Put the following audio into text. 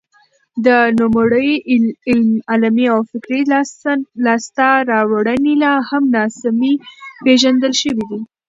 د نوموړي علمي او فکري لاسته راوړنې لا هم ناسمې پېژندل شوې دي.